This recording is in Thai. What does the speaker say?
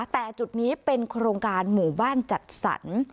แต่จุดนี้เป็นโครงการหมู่บ้านจัดสรร